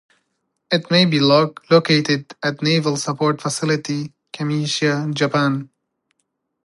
It may be located at Naval Support Facility Kamiseya, Japan.